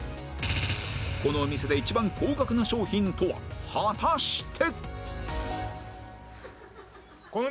このお店で一番高額な商品とは果たして？